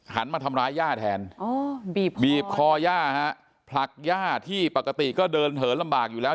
มาทำร้ายย่าแทนบีบคอย่าฮะผลักย่าที่ปกติก็เดินเหินลำบากอยู่แล้ว